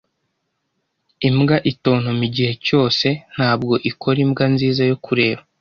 Imbwa itontoma igihe cyose ntabwo ikora imbwa nziza yo kureba.